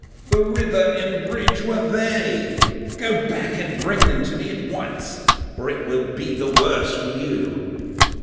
the river and bridge were they! Go back and bring them to me at once, or it will be the worse for you.